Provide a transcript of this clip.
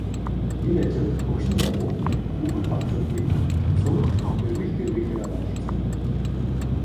Энэ ажилд хөгшин залуу, хүүхэд багачуудгүй цөм эрвийх дэрвийхээрээ оролцоно.